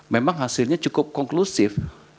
memang hasilnya cukup konklusif